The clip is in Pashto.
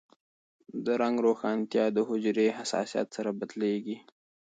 د رنګ روښانتیا د حجرې حساسیت سره بدلېږي.